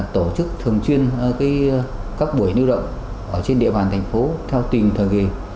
tổ chức thường chuyên các buổi nưu động trên địa bàn thành phố theo tình thời ghi